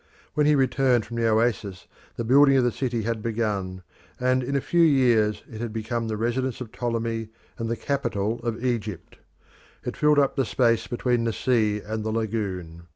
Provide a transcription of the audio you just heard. When he returned from the oasis, the building of the city had begun, and in a few years it had become the residence of Ptolemy and the capital of Egypt. It filled up the space between the sea and the lagoon.